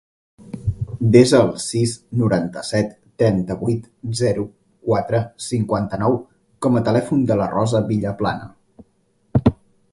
Desa el sis, noranta-set, trenta-vuit, zero, quatre, cinquanta-nou com a telèfon de la Rosa Villaplana.